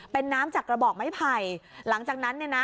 เป็นน้ำจากระบอกไม่ไผ่หลังจากนั้น